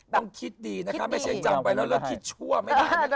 ต้องคิดดีนะคะไม่ใช่จำไว้แล้วเริ่มคิดชั่วไม่ได้ก็ได้